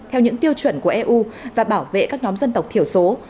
theo những tiêu chuẩn của eu và bảo vệ các nhóm dân tộc thiểu số